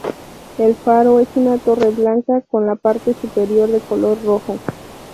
El faro es una torre blanca, con la parte superior de color rojo.